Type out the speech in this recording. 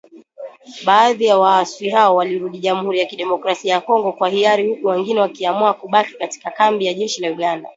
Baadhi ya waasi hao walirudi Jamhuri ya kidemokrasia ya Kongo kwa hiari huku wengine wakiamua kubaki katika kambi ya jeshi la Uganda.